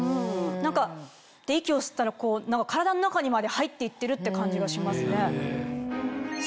何かって息を吸ったら体の中にまで入って行ってるって感じがしますね。